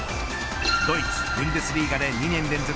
ドイツブンデスリーガで２年連続